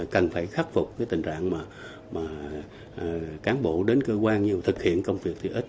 cần phải khắc phục cái tình trạng mà cán bộ đến cơ quan nhiều thực hiện công việc thì ít